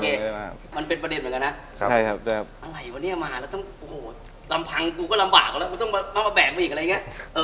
ประเด็นเหมือนกันนะอะไรวะเนี่ยมาแล้วต้องโอ้โหลำพังกูก็ลำบากกว่าแล้วมันต้องมาแบบมาอีกอะไรอย่างเงี้ย